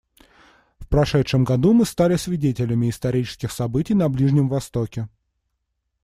В прошедшем году мы стали свидетелями исторических событий на Ближнем Востоке.